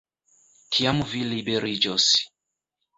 Tiam vi liberiĝos.